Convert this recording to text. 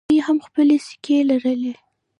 دوی هم خپلې سکې لرلې